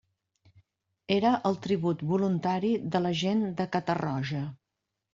Era el tribut voluntari de la gent de Catarroja.